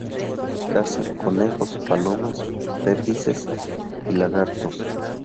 Caza conejos, palomas, perdices y lagartos.